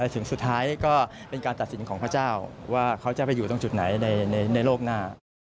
ถึงสุดท้ายก็เป็นการตัดสินของพระเจ้าว่าเขาจะไปอยู่ตรงจุดไหนในโลกหน้า